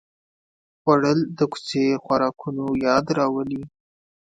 خوړل د کوڅې خوراکونو یاد راولي